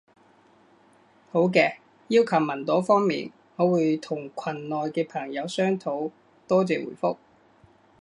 好嘅，要求文檔方面，我會同群內嘅朋友商討。多謝回覆